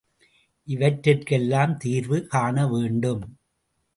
இவற்றிற்கெல்லாம் தீர்வு காண வேண்டும்.